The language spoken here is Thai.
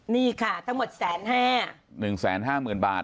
นี่ค่ะทั้งหมดแสนห้าหนึ่งแสนห้าเหมือนบาท